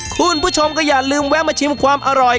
คุณผู้ชมก็อย่าลืมแวะมาชิมความอร่อย